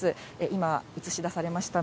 今、映し出されました